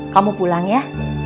kamu pulang ya